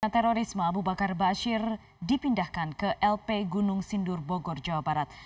terorisme abu bakar bashir dipindahkan ke lp gunung sindur bogor jawa barat